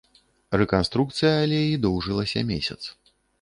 Рэканструкцыя алеі доўжылася месяц.